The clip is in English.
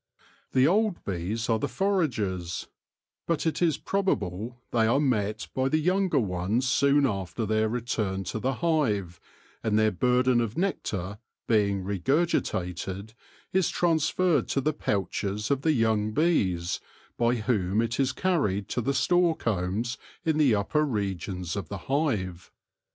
The old bees are the foragers ; but it is probable they are met by the younger ones soon after their return to the hive, and their burden of nectar, being regurgitated, is trans ferred to the pouches of the young bees, by whom it is carried to the store combs in the upper regions of the hive.